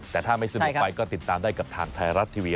แต่ถ้าไม่สนุกไปก็ติดตามได้กับทางไทยรัฐทีวี